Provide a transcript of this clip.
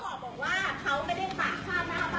บอกว่าเขาไม่ได้ปักผ้าหน้าบ้าน